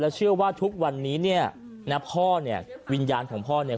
เชื่อว่าทุกวันนี้เนี่ยนะพ่อเนี่ยวิญญาณของพ่อเนี่ย